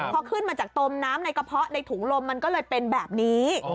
พอขึ้นมาจากตมน้ำในกระเพาะในถุงลมมันก็เลยเป็นแบบนี้